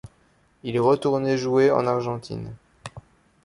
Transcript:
Il est retourné jouer en Argentine.